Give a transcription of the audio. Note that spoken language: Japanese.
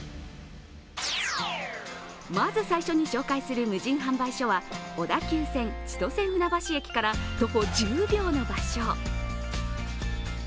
まず最初に紹介する無人販売所は小田急線千歳船橋駅から徒歩１０秒の場所。